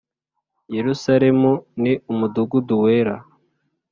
Yerusalemu ni umudugudu wera